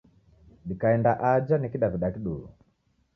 Dikaenda aja ni Kidaw'ida kiduu.